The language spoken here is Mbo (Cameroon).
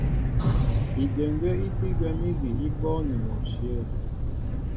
Idəŋgə́ í tí gwɛ̌m ígi í bɔ́ɔ́ŋ ni mɔ ǹshyə̂.